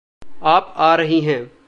आप आ रहीं हैं।